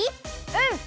うん！